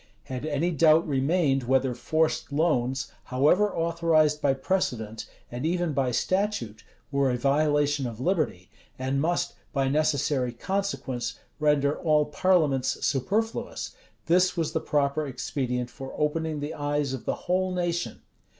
[] Had any doubt remained, whether forced loans, however authorized by precedent, and even by statute, were a violation of liberty, and must, by necessary consequence, render all parliaments superfluous, this was the proper expedient for opening the eyes of the whole nation.